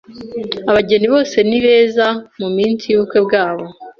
Abageni bose ni beza muminsi yubukwe bwabo.